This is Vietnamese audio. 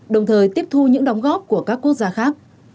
đồng thời tiếp thu những đóng góp của các quốc gia khác